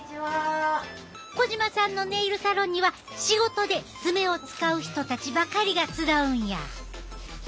児島さんのネイルサロンには仕事で爪を使う人たちばかりが集うんや。